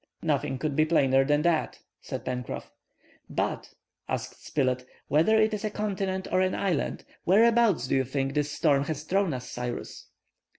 "Nothing could be plainer than that," said Pencroff. "But," asked Spilett, "whether it is a continent or an island, whereabouts do you think this storm has thrown us, Cyrus?"